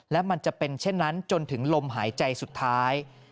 และมันจะเป็นเช่นนั้นจนถึงลมหายใจสุดท้าย